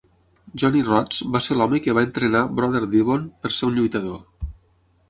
Johnny Rodz va ser l"home que va entrenar Brother Devon per ser un lluitador.